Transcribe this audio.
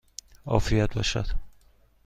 عافیت باشد!